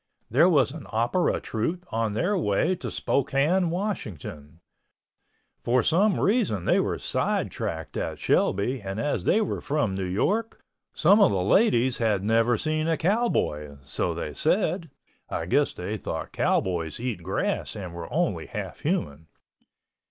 There was an opera troupe on their way to Spokane, Washington. For some reason they were sidetracked at Shelby and as they were from New York, some of the ladies had never seen a cowboy, so they said (I guess they thought cowboys eat grass and were only half human).